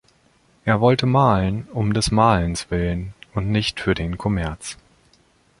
Er wollte malen um des Malens willen und nicht für den Kommerz.